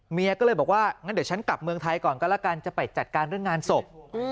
เมียก็เลยบอกว่างั้นเดี๋ยวฉันกลับเมืองไทยก่อนก็แล้วกันจะไปจัดการเรื่องงานศพ